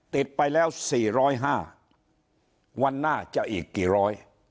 ติดไปแล้วสี่ร้อยห้าวันหน้าจะอีกกี่ร้อย